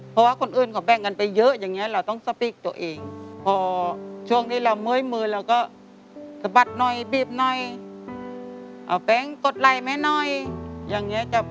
เพราะว่าคนอื่นก็แปลกไปเยอะ